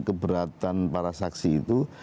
keberatan para saksi itu